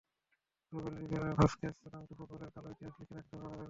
Ruben Rivera Vasquez নামটিকে ফুটবলের কালো ইতিহাসে লিখে রাখতে হবে আলাদা করেই।